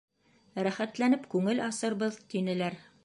Рәхәтләнеп күңел асырбыҙ, — тинеләр.